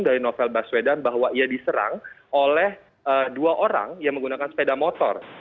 dari novel baswedan bahwa ia diserang oleh dua orang yang menggunakan sepeda motor